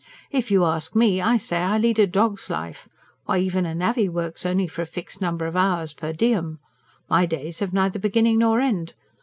If you ask me, I say I lead a dog's life why, even a navvy works only for a fixed number of hours per diem! My days have neither beginning nor end.